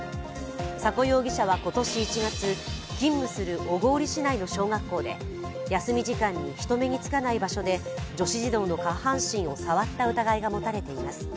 迫容疑者は今年１月勤務する小郡市内の小学校で休み時間に人目につかない場所で女子児童の下半身を触った疑いが持たれています。